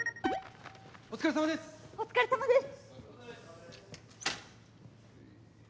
お疲れさまです！